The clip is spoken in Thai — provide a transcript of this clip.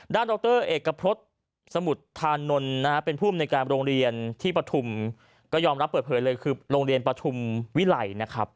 ด้านดรเอกพรศสมุทรธานนลเป็นผู้อำนวยการโรงเรียนที่ประถุมก็ยอมรับเปิดเผยเลยคือโรงเรียนประถุมวิไล